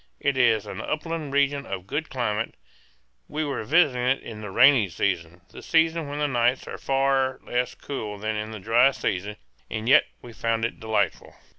It is an upland region of good climate; we were visiting it in the rainy season, the season when the nights are far less cool than in the dry season, and yet we found it delightful.